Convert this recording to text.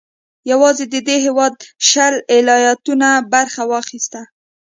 یوازې د دې هېواد شلي ایالتونو برخه واخیسته.